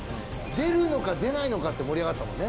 出るのか出ないのかって盛り上がったもんね。